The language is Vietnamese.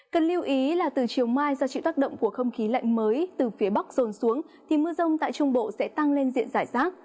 cần lưu ý là từ chiều mai do chịu tác động của không khí lạnh mới từ phía bắc rồn xuống thì mưa rông tại trung bộ sẽ tăng lên diện giải rác